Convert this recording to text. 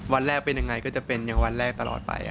วันแรกเป็นยังไงก็จะเป็นอย่างวันแรกตลอดไป